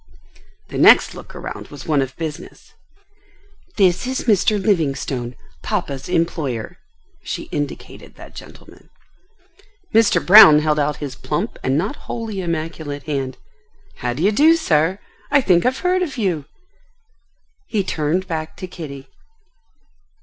The next look around was one of business. "This is Mr. Livingstone, papa's employer." She indicated that gentleman. Mr. Brown held out his plump and not wholly immaculate hand. "How d'ye do, sir? I think I've heard of you?" He turned back to Kitty.